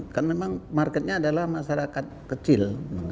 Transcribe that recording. kan memang marketnya adalah masyarakat kecil